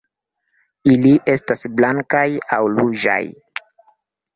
Ili estas blankaj aŭ ruĝaj.